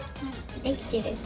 できてる。